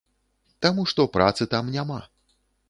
Таму што працы там няма.